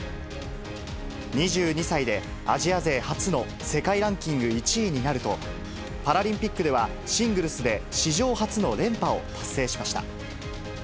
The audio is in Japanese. ２２歳でアジア勢初の世界ランキング１位になると、パラリンピックではシングルスで史上初の連覇を達成しました。